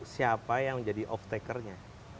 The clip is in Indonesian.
siapa yang jadi off takernya